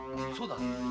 そうだ。